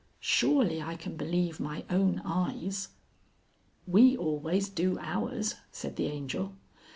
Surely I can believe my own eyes." "We always do ours," said the Angel.